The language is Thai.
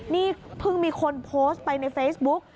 นี่เพิ่งมีคนโพสต์ไปในเฟซบุ๊ก